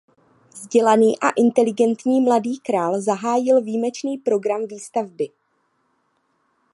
Vzdělaný a inteligentní mladý král zahájil výjimečný program výstavby.